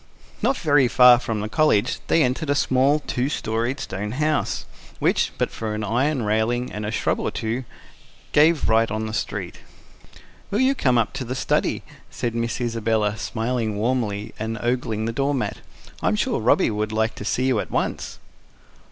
Not very far from the College they entered a small, two storied stone house, which but for an iron railing and a shrub or two gave right on the street. "Will you come up to the study?" said Miss Isabella, smiling warmly, and ogling the door mat. "I'm sure Robby would like to see you at once."